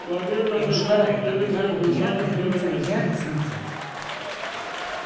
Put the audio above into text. Euskara eta pedagogia berritzailea izan zen.